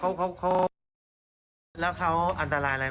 สอบถามว่าเขาแล้วเขาอันตรายอะไรไหม